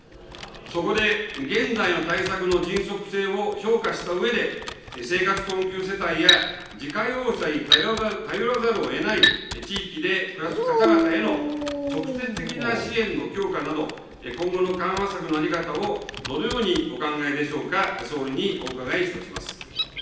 そこで現在の対策の迅速性を評価したうえで、生活困窮世帯や自家用車に頼らざるをえない地域で暮らす方々への直接的な支援の強化など、今後の緩和策の在り方をどのようにお考えでしょうか、総理にお伺いいたします。